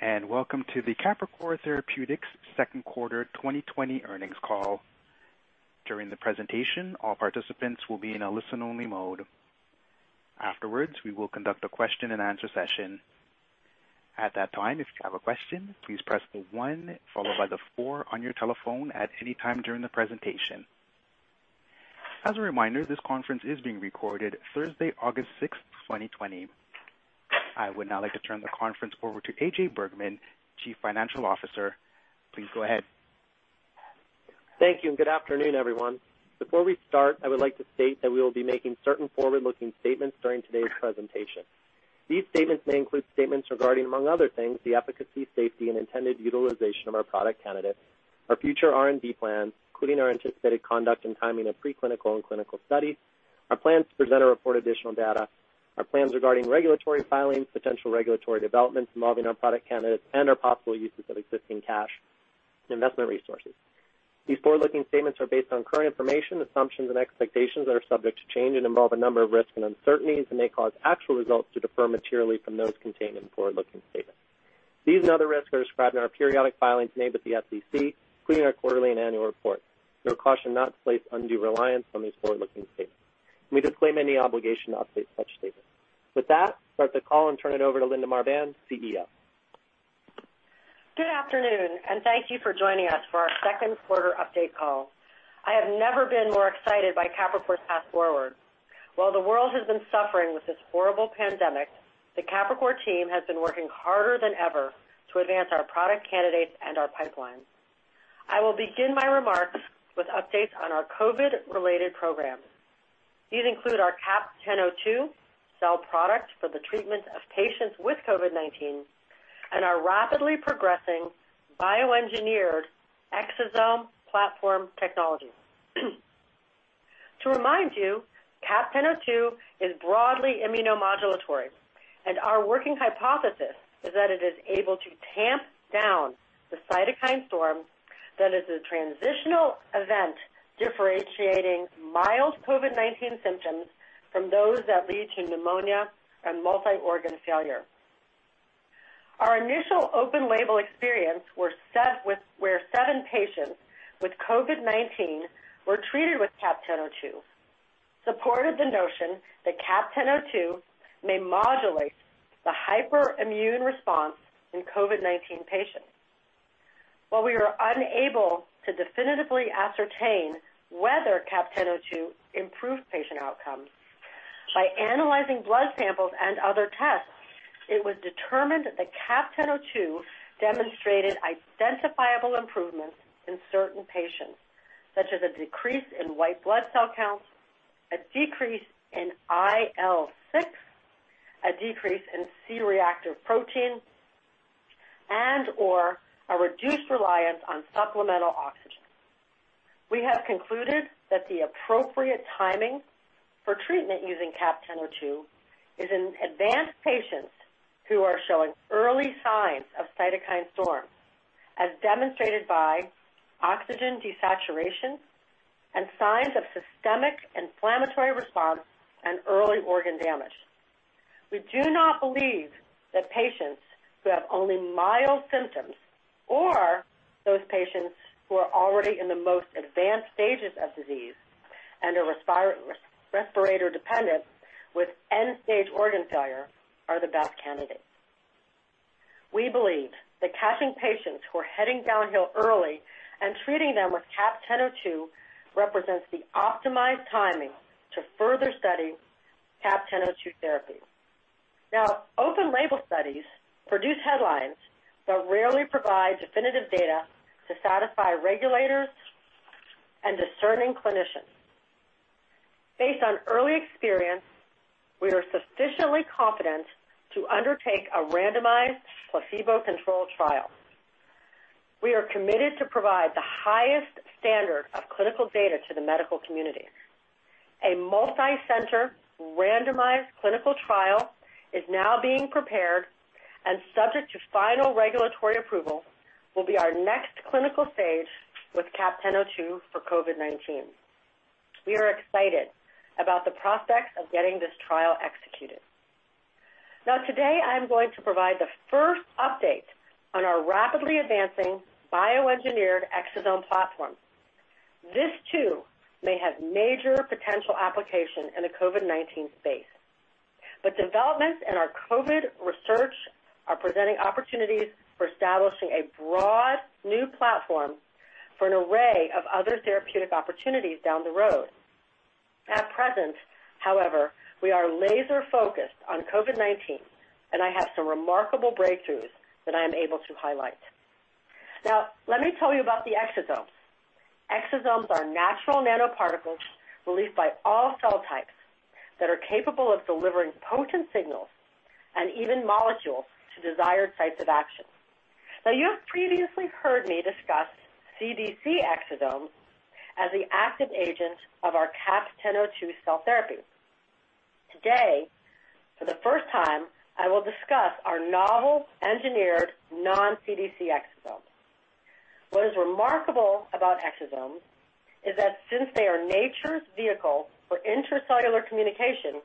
Greetings, welcome to the Capricor Therapeutics second quarter 2020 earnings call. During the presentation, all participants will be in a listen-only mode. Afterwards, we will conduct a question and answer session. At that time, if you have a question, please press the one followed by the four on your telephone at any time during the presentation. As a reminder, this conference is being recorded Thursday, August 6th, 2020. I would now like to turn the conference over to AJ Bergmann, Chief Financial Officer. Please go ahead. Thank you, good afternoon, everyone. Before we start, I would like to state that we will be making certain forward-looking statements during today's presentation. These statements may include statements regarding, among other things, the efficacy, safety, and intended utilization of our product candidates, our future R&D plans, including our anticipated conduct and timing of pre-clinical and clinical studies, our plans to present or report additional data, our plans regarding regulatory filings, potential regulatory developments involving our product candidates, and our possible uses of existing cash and investment resources. These forward-looking statements are based on current information, assumptions, and expectations that are subject to change and involve a number of risks and uncertainties and may cause actual results to differ materially from those contained in the forward-looking statements. These and other risks are described in our periodic filings made with the SEC, including our quarterly and annual reports. We caution not to place undue reliance on these forward-looking statements. We disclaim any obligation to update such statements. With that, start the call and turn it over to Linda Marbán, CEO. Good afternoon, thank you for joining us for our second quarter update call. I have never been more excited by Capricor's path forward. While the world has been suffering with this horrible pandemic, the Capricor team has been working harder than ever to advance our product candidates and our pipeline. I will begin my remarks with updates on our COVID-related programs. These include our CAP-1002 cell product for the treatment of patients with COVID-19 and our rapidly progressing bioengineered exosome platform technology. To remind you, CAP-1002 is broadly immunomodulatory, and our working hypothesis is that it is able to tamp down the cytokine storm that is a transitional event differentiating mild COVID-19 symptoms from those that lead to pneumonia and multi-organ failure. Our initial open label experience where seven patients with COVID-19 were treated with CAP-1002 supported the notion that CAP-1002 may modulate the hyperimmune response in COVID-19 patients. While we were unable to definitively ascertain whether CAP-1002 improved patient outcomes, by analyzing blood samples and other tests, it was determined that the CAP-1002 demonstrated identifiable improvements in certain patients, such as a decrease in white blood cell counts, a decrease in IL-6, a decrease in C-reactive protein, and/or a reduced reliance on supplemental oxygen. We have concluded that the appropriate timing for treatment using CAP-1002 is in advanced patients who are showing early signs of cytokine storm, as demonstrated by oxygen desaturation and signs of systemic inflammatory response and early organ damage. We do not believe that patients who have only mild symptoms or those patients who are already in the most advanced stages of disease and are respirator-dependent with end-stage organ failure are the best candidates. We believe that catching patients who are heading downhill early and treating them with CAP-1002 represents the optimized timing to further study CAP-1002 therapy. Open label studies produce headlines but rarely provide definitive data to satisfy regulators and discerning clinicians. Based on early experience, we are sufficiently confident to undertake a randomized placebo-controlled trial. We are committed to provide the highest standard of clinical data to the medical community. A multi-center randomized clinical trial is now being prepared and subject to final regulatory approval will be our next clinical stage with CAP-1002 for COVID-19. We are excited about the prospect of getting this trial executed. Today, I am going to provide the first update on our rapidly advancing bioengineered exosome platform. This too may have major potential application in the COVID-19 space. Developments in our COVID research are presenting opportunities for establishing a broad new platform for an array of other therapeutic opportunities down the road. At present, however, we are laser-focused on COVID-19, and I have some remarkable breakthroughs that I am able to highlight. Let me tell you about the exosomes. Exosomes are natural nanoparticles released by all cell types that are capable of delivering potent signals and even molecules to desired sites of action. You have previously heard me discuss CDC exosomes as the active agent of our CAP-1002 cell therapy. Today, for the first time, I will discuss our novel engineered non-CDC exosomes. What is remarkable about exosomes is that since they are nature's vehicle for intracellular communication,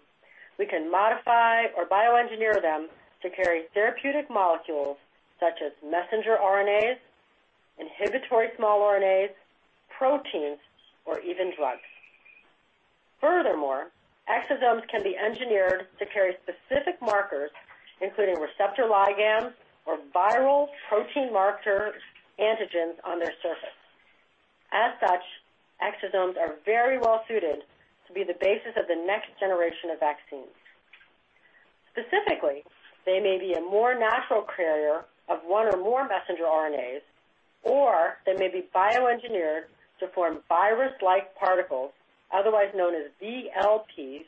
we can modify or bioengineer them to carry therapeutic molecules such as messenger RNAs, inhibitory small RNAs, proteins, or even drugs. Furthermore, exosomes can be engineered to carry specific markers, including receptor ligands or viral protein marker antigens on their surface. As such, exosomes are very well-suited to be the basis of the next generation of vaccines. Specifically, they may be a more natural carrier of one or more messenger RNAs, or they may be bioengineered to form virus-like particles, otherwise known as VLPs,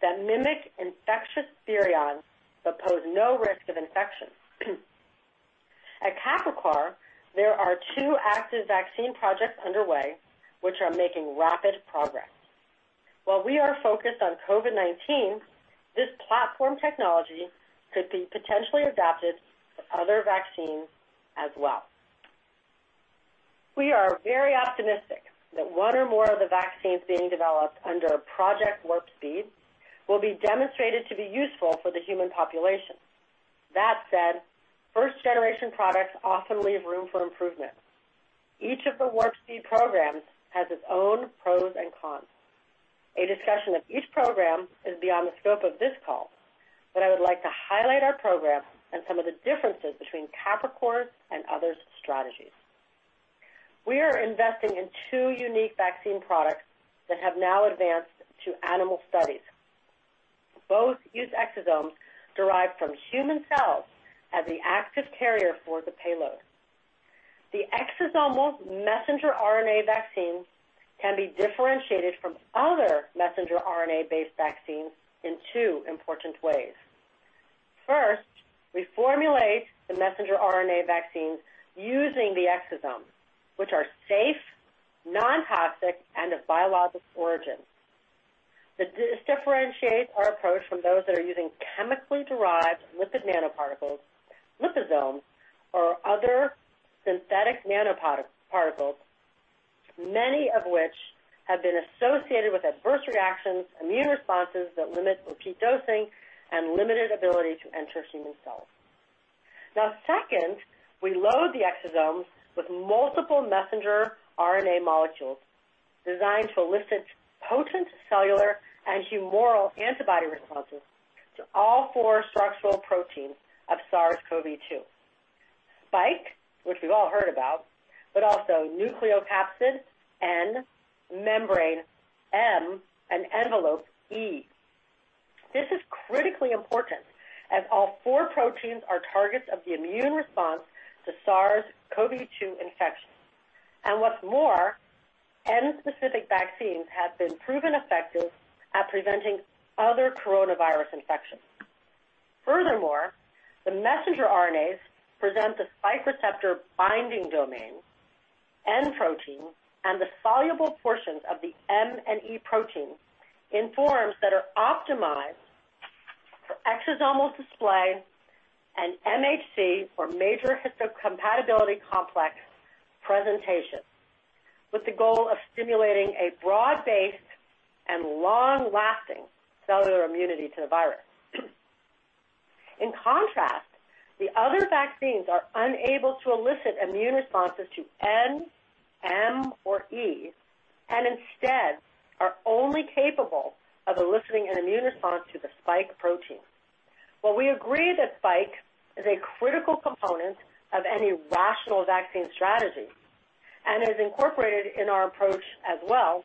that mimic infectious virions but pose no risk of infection. At Capricor, there are two active vaccine projects underway which are making rapid progress. While we are focused on COVID-19, this platform technology could be potentially adapted to other vaccines as well. We are very optimistic that one or more of the vaccines being developed under Operation Warp Speed will be demonstrated to be useful for the human population. That said, first-generation products often leave room for improvement. Each of the Operation Warp Speed programs has its own pros and cons. A discussion of each program is beyond the scope of this call, but I would like to highlight our program and some of the differences between Capricor's and others' strategies. We are investing in two unique vaccine products that have now advanced to animal studies. Both use exosomes derived from human cells as the active carrier for the payload. The exosomal messenger RNA vaccines can be differentiated from other messenger RNA-based vaccines in two important ways. First, we formulate the messenger RNA vaccines using the exosomes, which are safe, non-toxic, and of biologic origin. This differentiates our approach from those that are using chemically derived lipid nanoparticles, liposomes, or other synthetic nanoparticles, many of which have been associated with adverse reactions, immune responses that limit repeat dosing, and limited ability to enter human cells. Second, we load the exosomes with multiple messenger RNA molecules designed to elicit potent cellular and humoral antibody responses to all four structural proteins of SARS-CoV-2. Spike, which we've all heard about, but also nucleocapsid, N, membrane, M, and envelope, E. This is critically important, as all four proteins are targets of the immune response to SARS-CoV-2 infection. What's more, N-specific vaccines have been proven effective at preventing other coronavirus infections. Furthermore, the messenger RNAs present the spike receptor-binding domain, N protein, and the soluble portions of the M and E proteins in forms that are optimized for exosomal display and MHC, or major histocompatibility complex, presentation, with the goal of stimulating a broad-based and long-lasting cellular immunity to the virus. In contrast, the other vaccines are unable to elicit immune responses to N, M, or E, and instead are only capable of eliciting an immune response to the spike protein. While we agree that spike is a critical component of any rational vaccine strategy and is incorporated in our approach as well,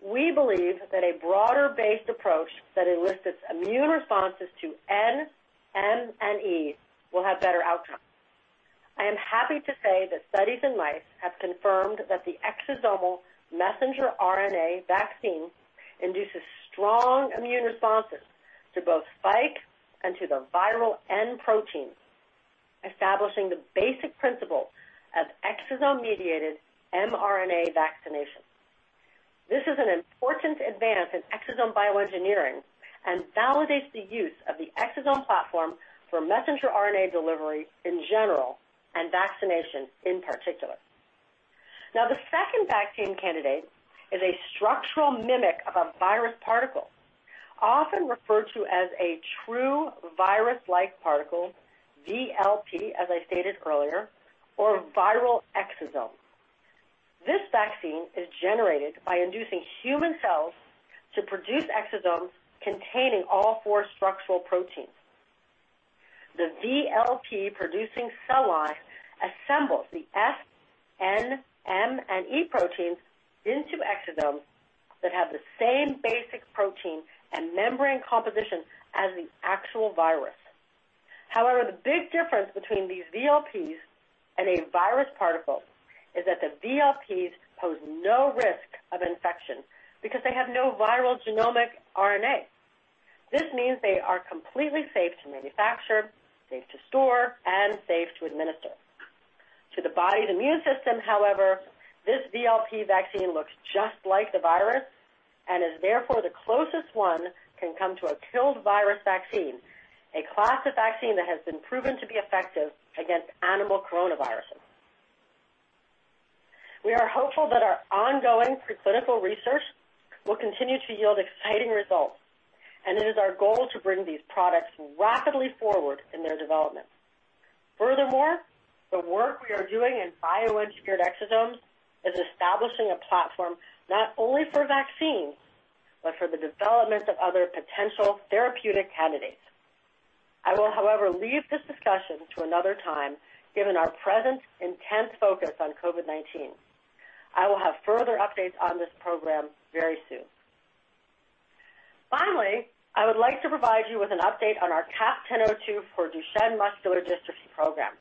we believe that a broader-based approach that elicits immune responses to N, M, and E will have better outcomes. I am happy to say that studies in mice have confirmed that the exosomal messenger RNA vaccine induces strong immune responses to both spike and to the viral N protein, establishing the basic principle of exosome-mediated mRNA vaccination. This is an important advance in exosome bioengineering and validates the use of the exosome platform for messenger RNA delivery in general and vaccination in particular. The second vaccine candidate is a structural mimic of a virus particle, often referred to as a true virus-like particle, VLP, as I stated earlier, or viral exosome. This vaccine is generated by inducing human cells to produce exosomes containing all four structural proteins. The VLP-producing cell lines assemble the S, N, M, and E proteins into exosomes that have the same basic protein and membrane composition as the actual virus. However, the big difference between these VLPs and a virus particle is that the VLPs pose no risk of infection because they have no viral genomic RNA. This means they are completely safe to manufacture, safe to store, and safe to administer. To the body's immune system, however, this VLP vaccine looks just like the virus and is therefore the closest one can come to a killed virus vaccine, a class of vaccine that has been proven to be effective against animal coronaviruses. We are hopeful that our ongoing preclinical research will continue to yield exciting results, and it is our goal to bring these products rapidly forward in their development. Furthermore, the work we are doing in bioengineered exosomes is establishing a platform not only for vaccines, but for the development of other potential therapeutic candidates. I will, however, leave this discussion to another time, given our present intense focus on COVID-19. I will have further updates on this program very soon. Finally, I would like to provide you with an update on our CAP-1002 for Duchenne muscular dystrophy program.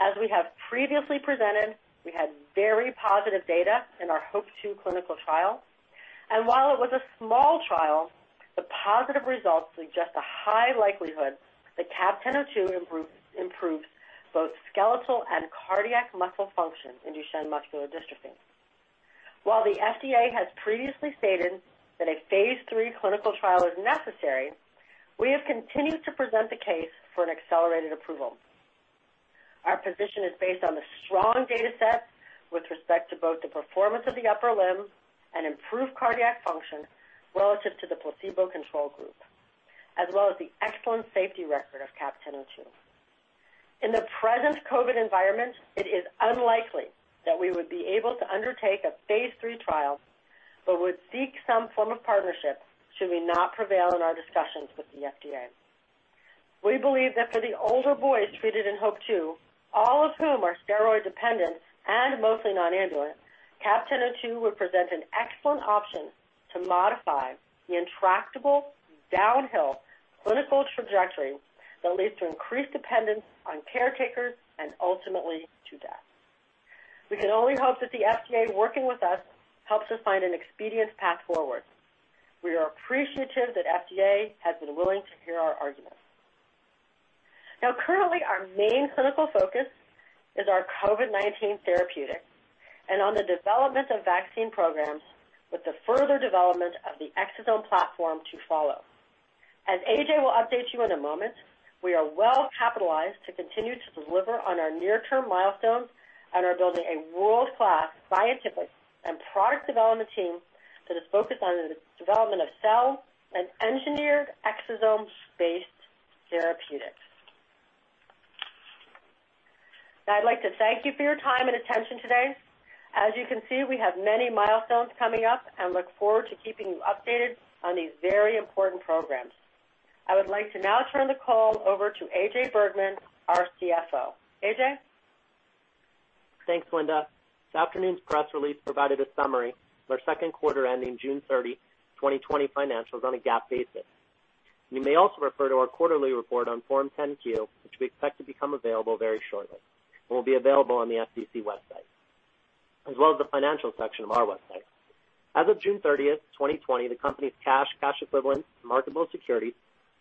As we have previously presented, we had very positive data in our HOPE-2 clinical trial, and while it was a small trial, the positive results suggest a high likelihood that CAP-1002 improves both skeletal and cardiac muscle function in Duchenne muscular dystrophy. While the FDA has previously stated that a phase III clinical trial is necessary, we have continued to present the case for an accelerated approval. Our position is based on the strong data set with respect to both the Performance of the Upper Limb and improved cardiac function relative to the placebo control group, as well as the excellent safety record of CAP-1002. In the present COVID environment, it is unlikely that we would be able to undertake a phase III trial, but would seek some form of partnership should we not prevail in our discussions with the FDA. We believe that for the older boys treated in HOPE-2, all of whom are steroid dependent and mostly non-ambulant, CAP-1002 would present an excellent option to modify the intractable downhill clinical trajectory that leads to increased dependence on caretakers and ultimately to death. We can only hope that the FDA working with us helps us find an expedient path forward. We are appreciative that FDA has been willing to hear our arguments. Currently our main clinical focus is our COVID-19 therapeutics and on the development of vaccine programs with the further development of the exosome platform to follow. As AJ will update you in a moment, we are well capitalized to continue to deliver on our near-term milestones and are building a world-class scientific and product development team that is focused on the development of cell and engineered exosomes-based therapeutics. I'd like to thank you for your time and attention today. As you can see, we have many milestones coming up and look forward to keeping you updated on these very important programs. I would like to now turn the call over to AJ Bergmann, our CFO. AJ? Thanks, Linda. This afternoon's press release provided a summary of our second quarter ending June 30, 2020 financials on a GAAP basis. You may also refer to our quarterly report on Form 10-Q, which we expect to become available very shortly and will be available on the SEC website, as well as the financial section of our website. As of June 30, 2020, the company's cash equivalents, marketable securities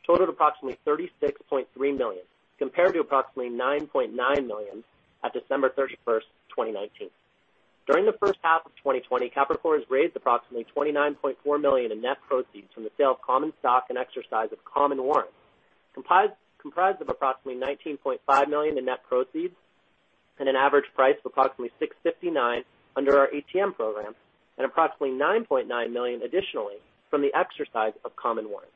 totaled approximately $36.3 million, compared to approximately $9.9 million at December 31, 2019. During the first half of 2020, Capricor has raised approximately $29.4 million in net proceeds from the sale of common stock and exercise of common warrants, comprised of approximately $19.5 million in net proceeds and an average price of approximately $6.59 under our ATM program and approximately $9.9 million additionally from the exercise of common warrants.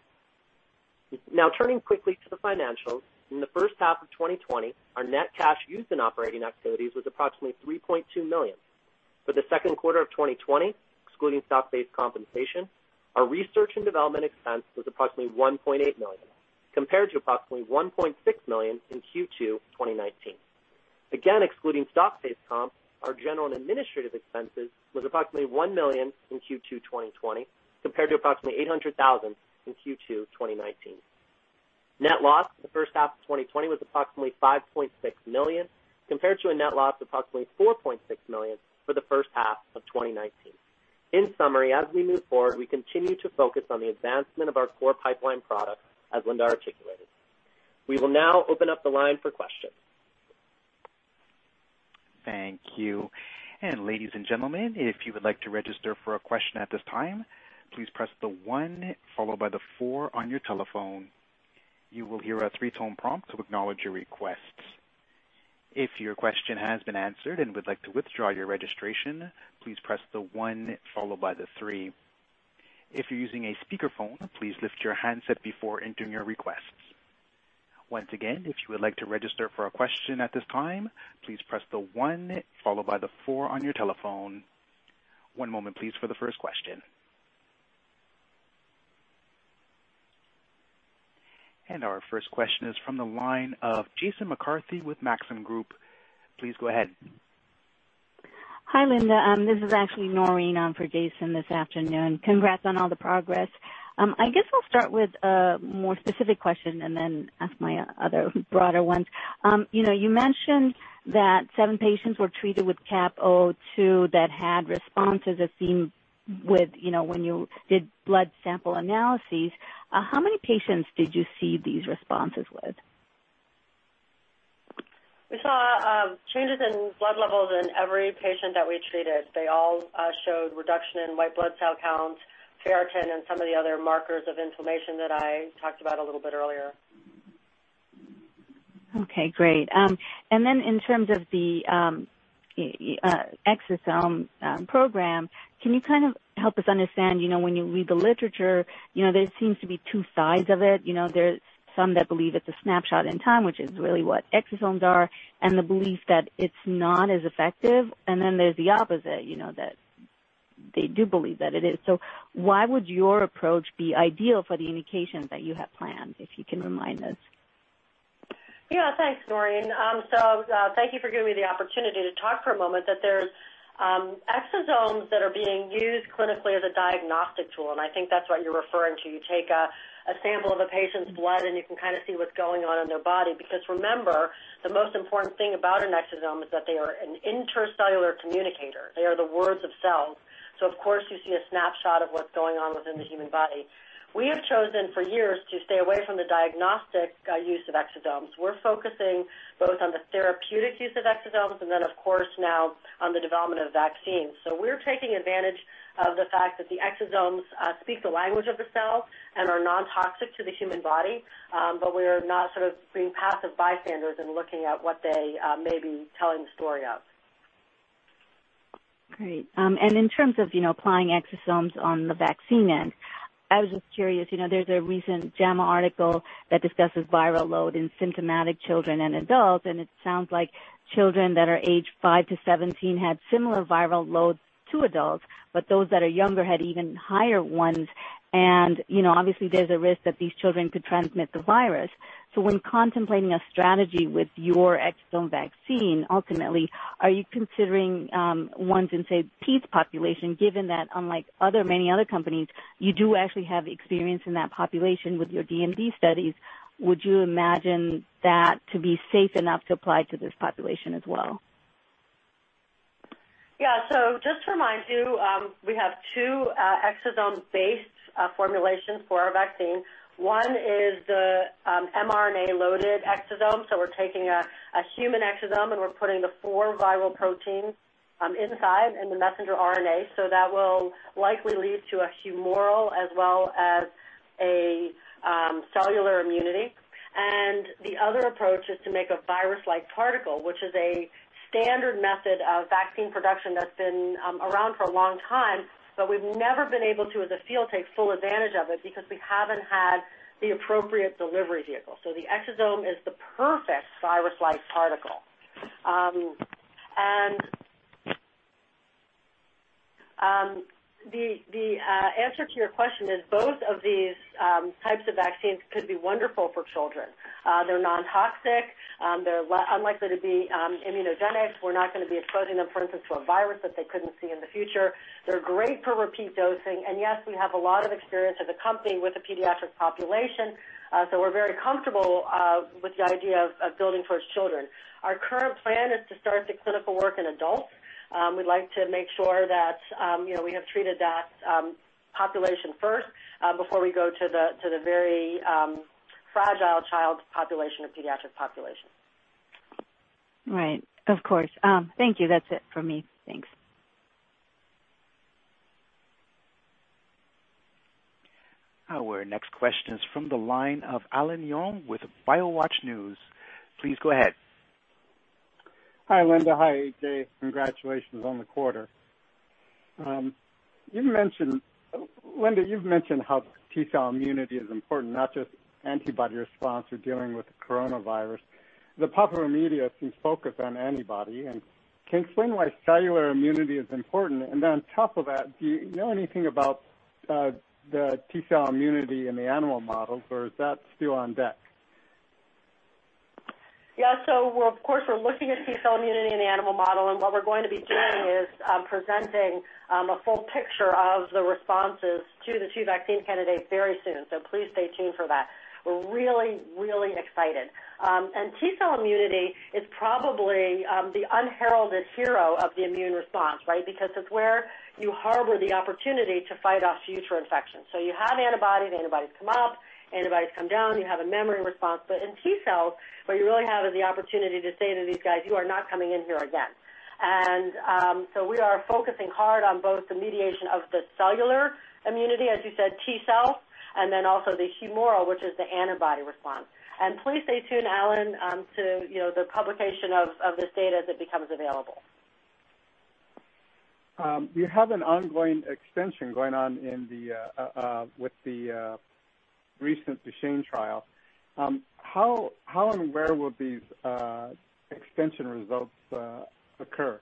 Turning quickly to the financials. In the first half of 2020, our net cash used in operating activities was approximately $3.2 million. For the second quarter of 2020, excluding stock-based compensation, our research and development expense was approximately $1.8 million, compared to approximately $1.6 million in Q2 2019. Again, excluding stock-based comp, our general and administrative expenses was approximately $1 million in Q2 2020, compared to approximately $800,000 in Q2 2019. Net loss for the first half of 2020 was approximately $5.6 million, compared to a net loss of approximately $4.6 million for the first half of 2019. In summary, as we move forward, we continue to focus on the advancement of our core pipeline products, as Linda articulated. We will now open up the line for questions. Thank you. Ladies and gentlemen, if you would like to register for a question at this time, please press the one followed by the four on your telephone. You will hear a three-tone prompt to acknowledge your request. If your question has been answered and would like to withdraw your registration, please press the one followed by the three. If you're using a speakerphone, please lift your handset before entering your request. Once again, if you would like to register for a question at this time, please press the one followed by the four on your telephone. One moment, please, for the first question. Our first question is from the line of Jason McCarthy with Maxim Group. Please go ahead. Hi, Linda. This is actually Noreen on for Jason this afternoon. Congrats on all the progress. I guess I'll start with a more specific question and then ask my other broader ones. You mentioned that seven patients were treated with CAP-02 that had responses it seemed when you did blood sample analyses. How many patients did you see these responses with? We saw changes in blood levels in every patient that we treated. They all showed reduction in white blood cell count, ferritin, and some of the other markers of inflammation that I talked about a little bit earlier. In terms of the exosome program, can you help us understand? When you read the literature, there seems to be two sides of it. There's some that believe it's a snapshot in time, which is really what exosomes are, and the belief that it's not as effective. Then there's the opposite, that they do believe that it is. Why would your approach be ideal for the indications that you have planned, if you can remind us? Yeah. Thanks, Noreen. Thank you for giving me the opportunity to talk for a moment that there's exosomes that are being used clinically as a diagnostic tool, and I think that's what you're referring to. You take a sample of a patient's blood, and you can kind of see what's going on in their body. Remember, the most important thing about an exosome is that they are an intercellular communicator. They are the words of cells. Of course, you see a snapshot of what's going on within the human body. We have chosen for years to stay away from the diagnostic use of exosomes. We're focusing both on the therapeutic use of exosomes and then of course now on the development of vaccines. We're taking advantage of the fact that the exosomes speak the language of the cell and are non-toxic to the human body. We're not being passive bystanders and looking at what they may be telling the story of. Great. In terms of applying exosomes on the vaccine end, I was just curious, there's a recent JAMA article that discusses viral load in symptomatic children and adults. It sounds like children that are age 5 to 17 had similar viral loads to adults, but those that are younger had even higher ones. Obviously there's a risk that these children could transmit the virus. When contemplating a strategy with your exosome vaccine, ultimately, are you considering ones in, say, ped population, given that unlike many other companies, you do actually have experience in that population with your DMD studies? Would you imagine that to be safe enough to apply to this population as well? Yeah. Just to remind you, we have two exosome-based formulations for our vaccine. One is the mRNA-loaded exosome. We're taking a human exosome, and we're putting the four viral proteins inside in the messenger RNA. That will likely lead to a humoral as well as a cellular immunity. The other approach is to make a virus-like particle, which is a standard method of vaccine production that's been around for a long time, but we've never been able to, as a field, take full advantage of it because we haven't had the appropriate delivery vehicle. The exosome is the perfect virus-like particle. The answer to your question is both of these types of vaccines could be wonderful for children. They're non-toxic. They're unlikely to be immunogenic. We're not going to be exposing them, for instance, to a virus that they couldn't see in the future. They're great for repeat dosing. Yes, we have a lot of experience as a company with the pediatric population. We're very comfortable with the idea of building towards children. Our current plan is to start the clinical work in adults. We'd like to make sure that we have treated that population first before we go to the very fragile child population or pediatric population. Right. Of course. Thank you. That's it for me. Thanks. Our next question is from the line of Alan Yong with BioWatch News. Please go ahead. Hi, Linda. Hi, AJ. Congratulations on the quarter. Linda, you've mentioned how T-cell immunity is important, not just antibody response, for dealing with the coronavirus. The popular media seems focused on antibody. Can you explain why cellular immunity is important? Then on top of that, do you know anything about the T-cell immunity in the animal models, or is that still on deck? Yeah. Of course, we're looking at T-cell immunity in the animal model, and what we're going to be doing is presenting a full picture of the responses to the two vaccine candidates very soon. Please stay tuned for that. We're really, really excited. T-cell immunity is probably the unheralded hero of the immune response, right? Because it's where you harbor the opportunity to fight off future infections. You have antibodies come up, antibodies come down, you have a memory response. In T-cells, where you really have the opportunity to say to these guys, "You are not coming in here again." We are focusing hard on both the mediation of the cellular immunity, as you said, T-cells, and then also the humoral, which is the antibody response. Please stay tuned, Alan, to the publication of this data as it becomes available. You have an ongoing extension going on with the recent Duchenne trial. How and where will these extension results occur?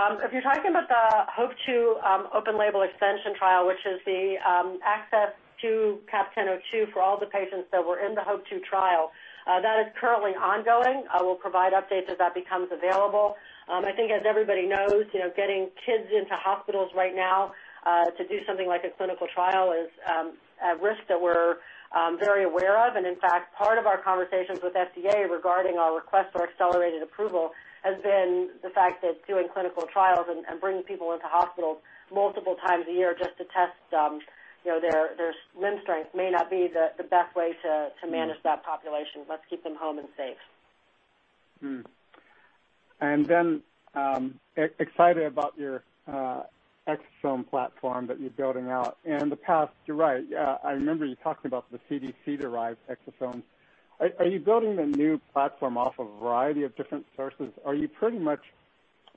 If you're talking about the HOPE-2 open label extension trial, which is the access to CAP-1002 for all the patients that were in the HOPE-2 trial, that is currently ongoing. I will provide updates as that becomes available. I think as everybody knows, getting kids into hospitals right now to do something like a clinical trial is a risk that we're very aware of. In fact, part of our conversations with FDA regarding our request for accelerated approval has been the fact that doing clinical trials and bringing people into hospitals multiple times a year just to test their limb strength may not be the best way to manage that population. Let's keep them home and safe. Mm-hmm. Excited about your exosome platform that you're building out. In the past, you're right, I remember you talking about the CDC-derived exosomes. Are you building the new platform off a variety of different sources? Are you pretty much,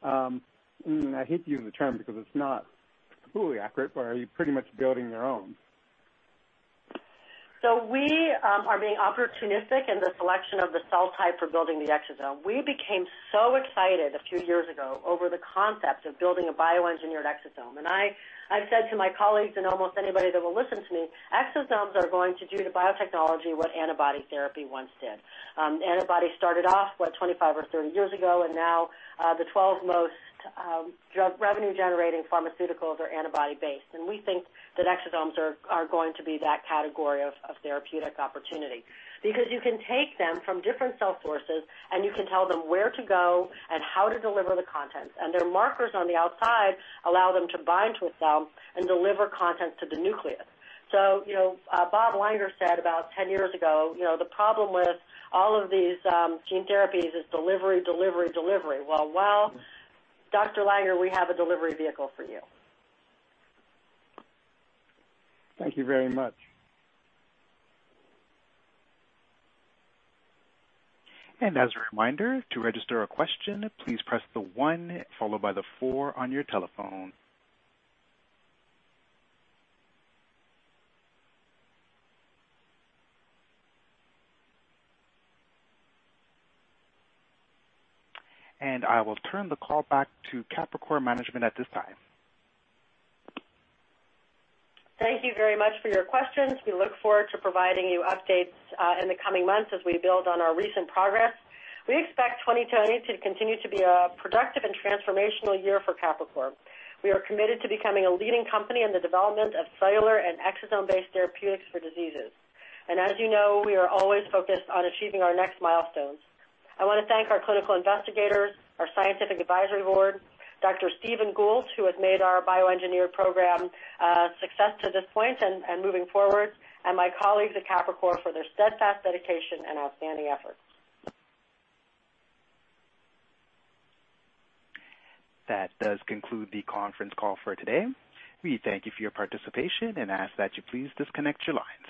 I hate to use the term because it's not completely accurate, but are you pretty much building your own? We are being opportunistic in the selection of the cell type for building the exosome. We became so excited a few years ago over the concept of building a bioengineered exosome. I've said to my colleagues and almost anybody that will listen to me, exosomes are going to do to biotechnology what antibody therapy once did. Antibodies started off, what, 25 or 30 years ago, now the 12 most drug revenue-generating pharmaceuticals are antibody-based, we think that exosomes are going to be that category of therapeutic opportunity. You can take them from different cell sources and you can tell them where to go and how to deliver the contents, and their markers on the outside allow them to bind to a cell and deliver contents to the nucleus. Robert Langer said about 10 years ago, the problem with all of these gene therapies is delivery. Well, Dr. Langer, we have a delivery vehicle for you. Thank you very much. As a reminder, to register a question, please press the one followed by the four on your telephone. I will turn the call back to Capricor management at this time. Thank you very much for your questions. We look forward to providing you updates in the coming months as we build on our recent progress. We expect 2020 to continue to be a productive and transformational year for Capricor. We are committed to becoming a leading company in the development of cellular and exosome-based therapeutics for diseases. As you know, we are always focused on achieving our next milestones. I want to thank our clinical investigators, our scientific advisory board, Dr. Stephen Gould, who has made our bioengineered program a success to this point and moving forward, and my colleagues at Capricor for their steadfast dedication and outstanding efforts. That does conclude the conference call for today. We thank you for your participation and ask that you please disconnect your lines.